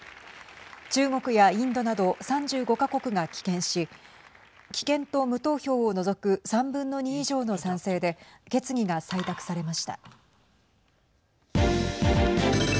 中国やインドなど３５か国が棄権し棄権と無投票を除く３分の２以上の賛成で決議が採択されました。